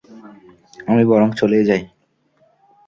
আমি বরং চলেই যাই।